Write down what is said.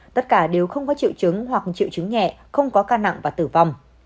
tất cả đều không có triệu chứng hoặc triệu chứng nhẹ không có ca nặng và tử vong